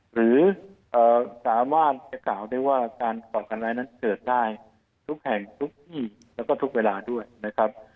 หรือสามารถจะกล่าวได้ว่าการก่อการร้ายนั้นเกิดได้ทุกแห่งทุกที่แล้วก็ทุกเวลาด้วยนะครับ